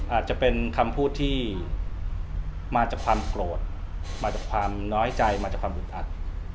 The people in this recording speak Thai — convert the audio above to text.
อาจจะเป็นคำพูดที่มาจากความโกรธมาจากความน้อยใจมาจากความอึดอัด